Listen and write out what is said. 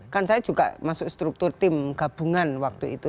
kan saya juga masuk struktur tim gabungan waktu itu